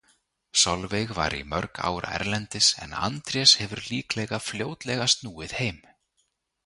Solveig var í mörg ár erlendis en Andrés hefur líklega fljótlega snúið heim.